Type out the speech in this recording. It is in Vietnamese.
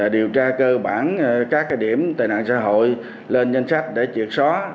điều tra cơ bản các điểm tệ nạn xã hội lên danh sách để triệt xóa